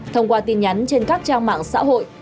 thông qua tin nhắn trên các trang mạng xã hội